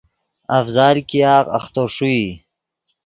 افضال ګیاغ اختو ݰوئی